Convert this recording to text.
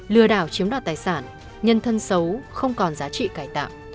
lừa đảo chiếm đoạt tài sản nhân thân xấu không còn giá trị cải tạo